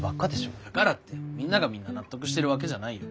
だからってみんながみんな納得してるわけじゃないよ。